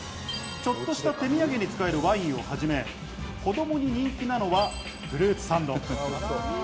ちょっとした手土産に使うワインをはじめ、子どもに人気なのはフルーツサンド。